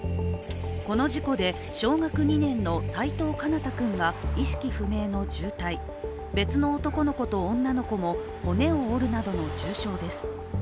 この事故で小学２年の齋藤奏多君が意識不明の重体、別の男の子と女の子も骨を折るなどの重傷です。